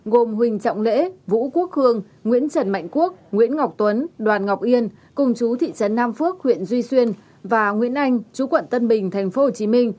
gồm huỳnh trọng lễ vũ quốc khương nguyễn trần mạnh quốc nguyễn ngọc tuấn đoàn ngọc yên cùng chú thị trấn nam phước huyện duy xuyên và nguyễn anh chú quận tân bình tp hcm